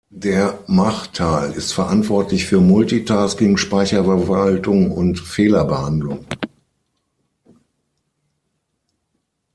Der Mach-Teil ist verantwortlich für Multitasking, Speicherverwaltung und Fehlerbehandlung.